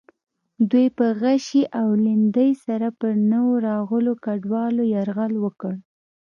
دوی په غشي او لیندۍ سره پر نویو راغلو کډوالو یرغل وکړ.